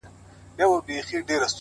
ورځه وريځي نه جــلا ســـولـه نـــن؛